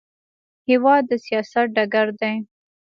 هېواد د سیاست ډګر دی.